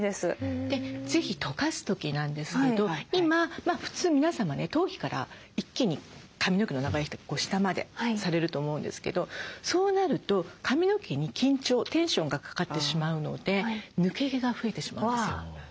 ぜひとかす時なんですけど今普通皆様ね頭皮から一気に髪の毛の長い人は下までされると思うんですけどそうなると髪の毛に緊張テンションがかかってしまうので抜け毛が増えてしまうんですよ。